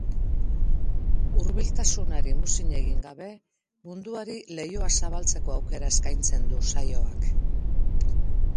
Hurbiltasunari muzin egin gabe, munduari leihoa zabaltzeko aukera eskaintzen du saioak.